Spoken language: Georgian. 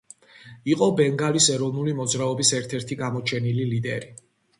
იყო ბენგალის ეროვნული მოძრაობის ერთ-ერთი გამოჩენილი ლიდერი.